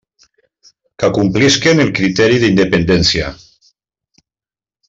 Que complisquen el criteri d'independència.